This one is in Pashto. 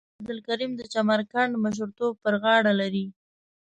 مولوی عبدالکریم د چمرکنډ مشرتوب پر غاړه لري.